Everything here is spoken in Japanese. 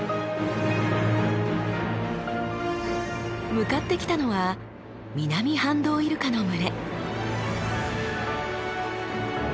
向かってきたのはミナミハンドウイルカの群れ。